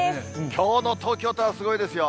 きょうの東京タワーはすごいですよ。